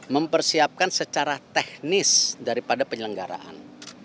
mempersiapkan secara teknis daripada penyelenggaraan